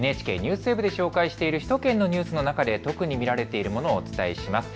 ＮＨＫＮＥＷＳＷＥＢで紹介している首都圏のニュースの中で特に見られているものをお伝えします。